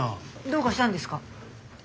どうかしたんですか？